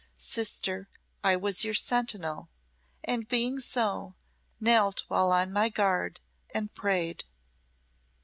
Sister, I was your sentinel, and being so, knelt while on my guard, and prayed."